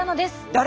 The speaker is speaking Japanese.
誰？